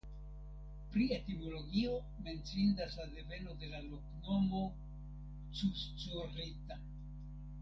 Pri etimologio menciindas la deveno de la loknomo "Cuzcurrita".